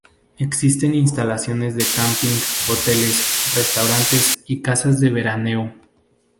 Existen instalaciones de camping, hoteles, restaurantes y casas de veraneo.